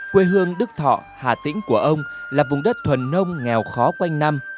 quê hương đức thọ hà tĩnh của ông là vùng đất thuần nông nghèo khó quanh năm